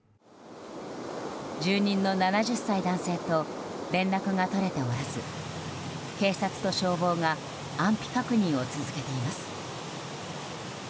住人の７０歳男性と連絡が取れておらず警察と消防が安否確認を続けています。